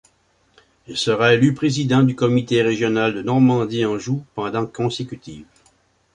Il sera élu président du comité régional de Normandie-Anjou pendant consécutives.